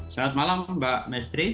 selamat malam mbak mestri